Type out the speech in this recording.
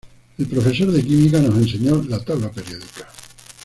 El profesor de química nos enseñó la tabla periódica